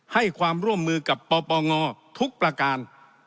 ให้ความร่วมมือกับปปงทุกประการ